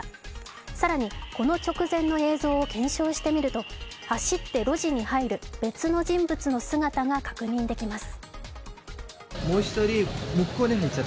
更にこの直前の映像を検証してみると走って路地に入る別の人物の姿が確認できます。